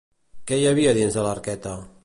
Què hi havia dins de l'arqueta?